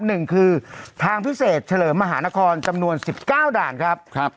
หนึ่งคือทางพิเศษเฉียบมหานครจำนวน๑๙ด่านครับ